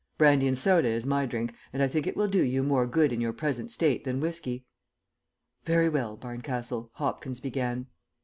Brandy and soda is my drink, and I think it will do you more good in your present state than whiskey." "Very well, Barncastle," Hopkins began.